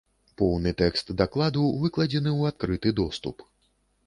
Поўны тэкст дакладу выкладзены ў адкрыты доступ.